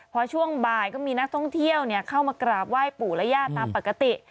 พอช่วงบ่ายก็มีนักท่องเที่ยวเข้ามากราบไหว้ปู่และย่าตามปกติ